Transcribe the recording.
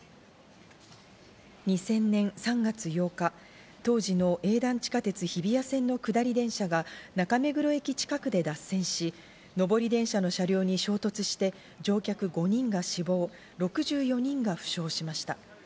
２０００年３月８日、当時の営団地下鉄・日比谷線の下り電車が中目黒駅近くで脱線し、上り電車の車両に衝突して乗客５人が死亡、６４人が負傷しました。